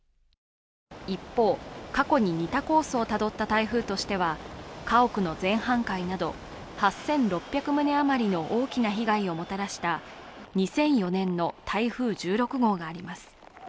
一方、過去に似たコースをたどった台風としては家屋の全半壊など８６００棟余りの大きな被害をもたらした２００４年の台風１６号があります。